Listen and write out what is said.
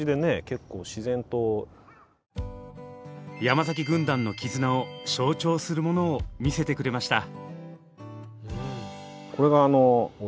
山崎軍団の絆を象徴するものを見せてくれました。